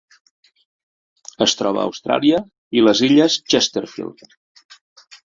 Es troba a Austràlia i les Illes Chesterfield.